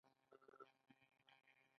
په یادو دوو هېوادونو کې سرچینې کمې وې.